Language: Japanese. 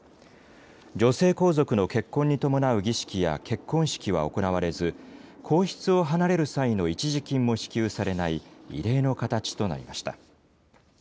女性皇族の結婚に伴う儀式や結婚式は行われず、皇室を離れる際の一時金も支給されない異例の形となりました。